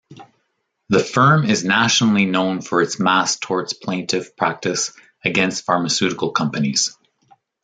The firm is nationally known for its mass torts plaintiff practice against pharmaceutical companies.